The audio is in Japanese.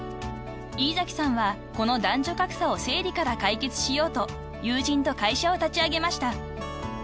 ［飯さんはこの男女格差を生理から解決しようと友人と会社を立ち上げました］